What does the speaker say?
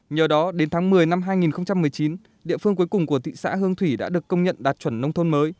nhờ đó đến tháng một mươi năm hai nghìn một mươi chín địa phương cuối cùng của thị xã hương thủy đã được công nhận đạt chuẩn nông thôn mới